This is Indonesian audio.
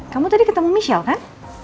kamu tadi ketemu michelle kan